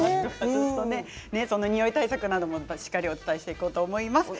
におい対策などもしっかりとお伝えしていこうと思います。